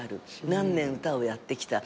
何年歌をやってきた。